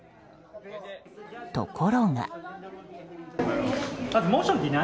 ところが。